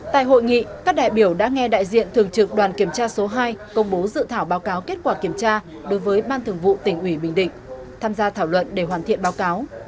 tại hội nghị các đại biểu đã nghe đại diện thường trực đoàn kiểm tra số hai công bố dự thảo báo cáo kết quả kiểm tra đối với ban thường vụ tỉnh ủy bình định tham gia thảo luận để hoàn thiện báo cáo